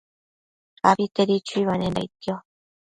Abitedi chuibanenda aidquio